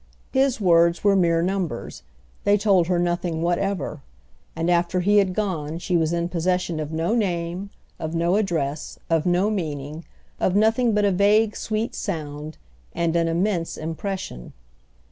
His words were mere numbers, they told her nothing whatever; and after he had gone she was in possession of no name, of no address, of no meaning, of nothing but a vague sweet sound and an immense impression.